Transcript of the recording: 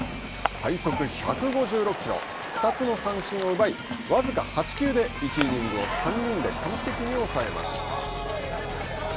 最速１５６キロ２つの三振を奪い僅か８球で１イニングを３人で完璧に抑えました。